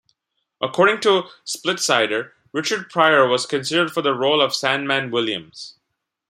According to Splitsider, Richard Pryor was considered for the role of Sandman Williams.